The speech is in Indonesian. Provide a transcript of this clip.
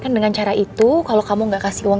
kan dengan cara itu kalau kamu gak kasih uang